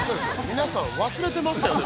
皆さん忘れてましたよね？